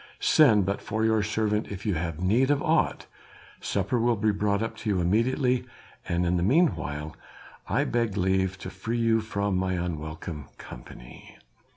Send but for your servant if you have need of aught; supper will be brought up to you immediately, and in the meanwhile I beg leave to free you from my unwelcome company."